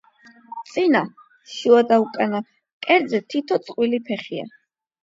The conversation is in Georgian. წინა, შუა და უკანა მკერდზე თითო წყვილი ფეხია.